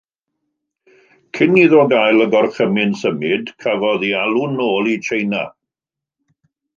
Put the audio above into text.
Cyn iddo gael y gorchymyn symud, cafodd ei alw'n ôl i Tsieina.